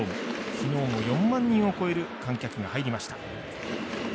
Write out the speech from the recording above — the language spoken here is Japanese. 昨日も４万人を超える観客が入りました。